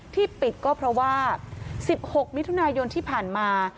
ที่ปิดก็เพราะว่า๑๖มิถุนายนที่ผ่านมา